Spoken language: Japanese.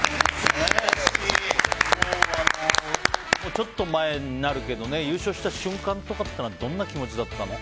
ちょっと前になるけど優勝した瞬間とかはどんな気持ちだったの？